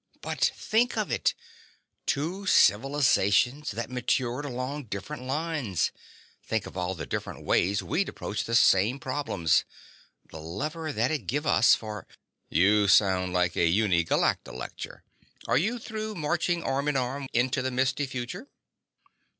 "But think of it: Two civilizations that matured along different lines! Think of all the different ways we'd approach the same problems ... the lever that'd give us for—" "You sound like a Uni Galacta lecture! Are you through marching arm in arm into the misty future?"